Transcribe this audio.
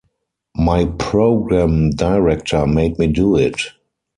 My program director made me do it!